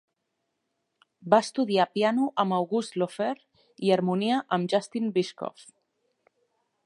Va estudiar piano amb Auguste Laufer i harmonia amb Justin Bischoff.